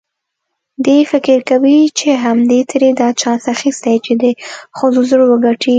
دی فکر کوي چې همدې ترې دا چانس اخیستی چې د ښځو زړه وګټي.